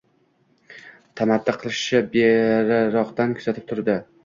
Tamaddi qilishini beriroqdan kuzatib turdi